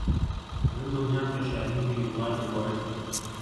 من دڵنیام کە شاھین بیروڕای دەگۆڕێت.